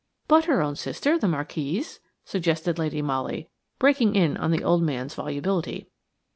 "But her own sister, the Marquise?" suggested Lady Molly, breaking in on the old man's volubility.